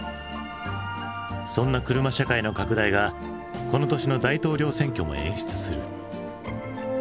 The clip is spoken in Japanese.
そんな車社会の拡大がこの年の大統領選挙も演出する。